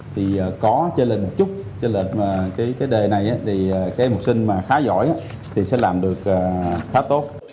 thì có chơi lên một chút chơi lên cái đề này thì cái học sinh mà khá giỏi thì sẽ làm được khá tốt